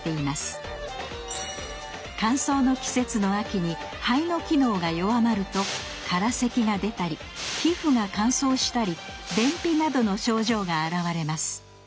乾燥の季節の秋に「肺」の機能が弱まると空せきが出たり皮膚が乾燥したり便秘などの症状が現れます